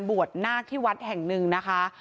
บวชนาคที่วัดแห่งหนึนนะคะ